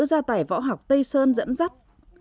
ra tải võ học tây sơn dẫn dắt